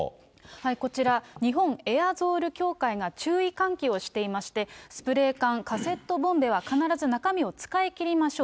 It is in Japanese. こちら、日本エアゾール協会が注意喚起をしていまして、スプレー缶、カセットボンベは必ず中身を使い切りましょう。